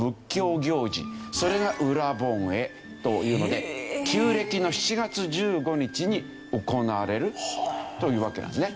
それが盂蘭盆会というので旧暦の７月１５日に行われるというわけなんですね。